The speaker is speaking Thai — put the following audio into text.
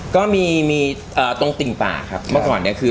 ก็มีตรงติ่งป่าครับเมื่อก่อนเนี่ยคือ